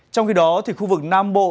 trong khi đó khu vực nam bộ